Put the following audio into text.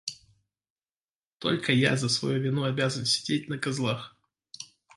Только я за свою вину обязан сидеть на козлах.